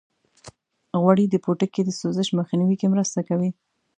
غوړې د پوټکي د سوزش مخنیوي کې مرسته کوي.